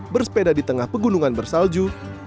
bersepeda di tengah pegunungan bersalju